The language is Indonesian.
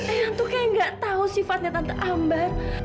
ayang tuh kayak nggak tahu sifatnya tante ambar